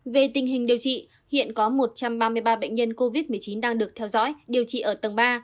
về tình hình điều trị hiện có một trăm ba mươi ba bệnh nhân covid một mươi chín đang được theo dõi điều trị ở tầng ba